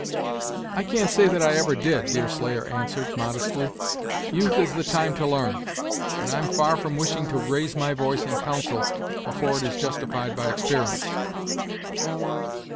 "I can't say that I ever did," Deerslayer answered, modestly. "Youth is the time to l'arn; and I'm far from wishing to raise my voice in counsel, afore it is justified by exper'ence."